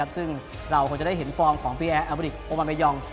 ซึ่งเราคงจะได้เห็นฟอร์มของพี่แอร์อาบริกโอมาเมยอง